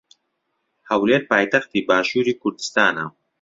ھەولێر پایتەختی باشووری کوردستانە.